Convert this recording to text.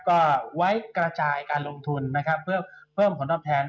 ก็ไว้กระจายการลงทุนนะครับเพื่อเพิ่มผลตอบแทน